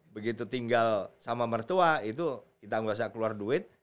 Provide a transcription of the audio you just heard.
begitu tinggal sama mertua itu kita nggak usah keluar duit